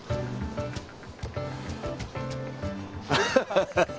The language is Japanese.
ハハハハ！